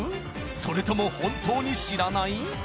それとも本当に知らない？